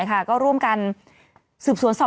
อ่าอ่าอ่า